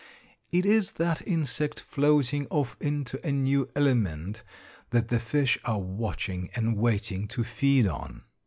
It is that insect floating off into a new element that the fish are watching and waiting to feed on.